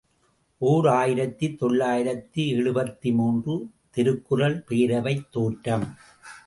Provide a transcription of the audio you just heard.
ஓர் ஆயிரத்து தொள்ளாயிரத்து எழுபத்து மூன்று ● திருக்குறள் பேரவைத் தோற்றம்.